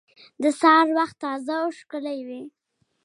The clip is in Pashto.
د سهار وخت تازه او ښکلی وي.